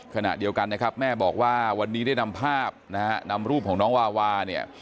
ขณะเดียวกันนะครับแม่บอกว่าวันนี้ได้นำภาพนะฮะนำรูปของน้องวาวาเนี่ย